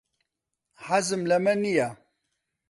حەزم لەمە نییە.